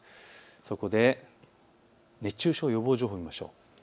そこで熱中症予防情報を見ましょう。